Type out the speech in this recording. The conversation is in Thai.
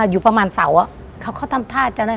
อยู่ประมาณเสาเขาทำท่า